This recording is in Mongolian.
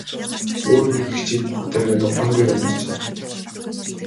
Өөр нэг эгчийг үхэр дайраад ухаангүй унагажээ.